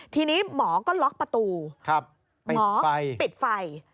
ทีนี้หมอก็ล็อกประตูหมอปิดไฟ